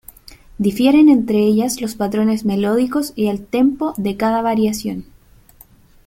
Difieren entre ellas los patrones melódicos y el tempo de cada variación.